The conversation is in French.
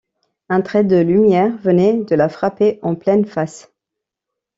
Un trait de lumière venait de la frapper en pleine face.